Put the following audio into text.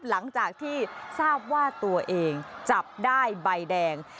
หลังจากที่ทราบว่าตัวเองจับได้ใบแดง